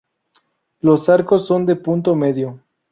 Los arcos son de punto medio.